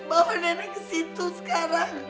bawa nenek ke situ sekarang